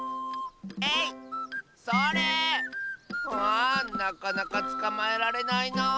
あなかなかつかまえられないなあ。